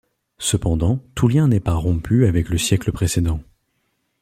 Cependant tout lien n’est pas rompu avec le siècle précédent.